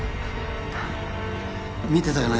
見てたよな？